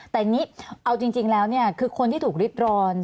แต่นี้เอาจริงแล้วคือคนที่ถูกริดรวร